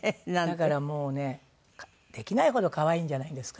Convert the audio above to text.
だからもうねできないほど可愛いんじゃないですか？